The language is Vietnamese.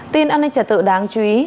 tin an ninh trả tự đáng chú ý